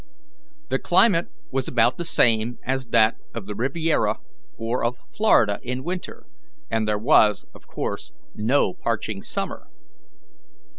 The climate was about the same as that of the Riviera or of Florida in winter, and there was, of course, no parching summer.